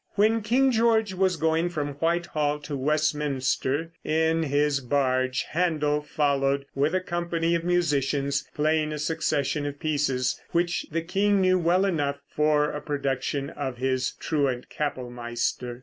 When King George was going from Whitehall to Westminster in his barge, Händel followed with a company of musicians, playing a succession of pieces, which the king knew well enough for a production of his truant capellmeister.